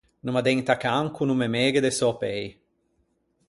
No m’addenta can ch’o no me meghe de sò pei.